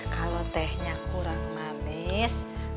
kalau tehnya kurang manis